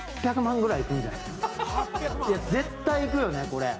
絶対いくよねこれ。